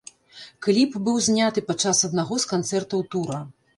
Кліп быў зняты падчас аднаго з канцэртаў тура.